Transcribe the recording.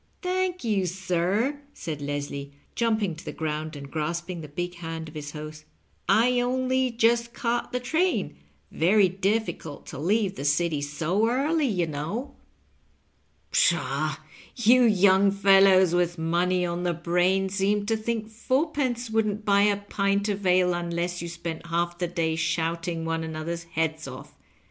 Thank you, sir," said Leslie, jumping to the ground and grasping the big hand of his host ;^' I only just caught the train — ^veiy difficult to leave the City so early, you know." Digitized by VjOOQIC 210 LOVE AND LIGHTNING. " Psliaw, yon young fellows with money on the brain seem to think f onrpence wouldn't buy a pint of ale un less you spent half the day shouting one another's heads off.